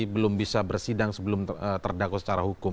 belum bisa bersidang sebelum terdakwa secara hukum